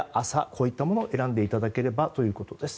こういったものを選んでいただければということです。